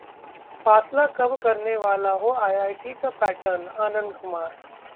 फासला कम करने वाला हो आईआईटी का पैटर्न: आनंद कुमार